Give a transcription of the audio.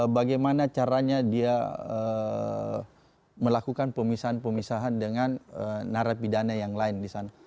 bagaimana caranya dia melakukan pemisahan pemisahan dengan narapidana yang lain di sana